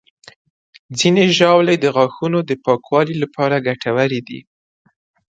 ځینې ژاولې د غاښونو د پاکوالي لپاره ګټورې دي.